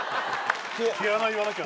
毛穴言わなきゃ。